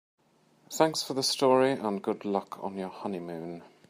Thanks for the story and good luck on your honeymoon.